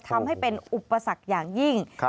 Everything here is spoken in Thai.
ทำให้เป็นอุปสรรคอย่างยิ่ง